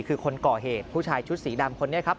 คือคนก่อเหตุผู้ชายชุดสีดำคนนี้ครับ